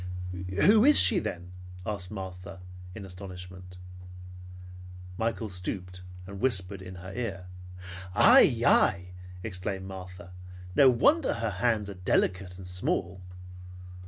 "Who is she then?" asked Martha in astonishment. Michael stooped and whispered in her ear. "Ai! Ai!" exclaimed Martha. "No wonder her hands are delicate and small!